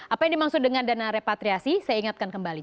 apa yang dimaksud dengan dana repatriasi saya ingatkan kembali